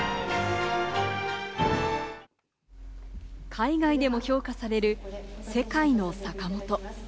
海外でも評価される、世界のサカモト。